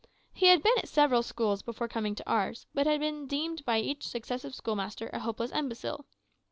He had been at several schools before coming to ours, but had been deemed by each successive schoolmaster a hopeless imbecile.